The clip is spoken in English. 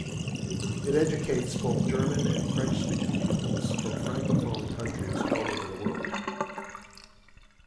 It educates both German- and French-speaking pupils from francophone countries all over the world.